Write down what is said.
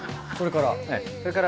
それから？